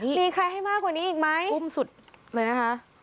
ตีใครให้มากกว่านี้อีกไหมอุ้มสุดเลยนะคะ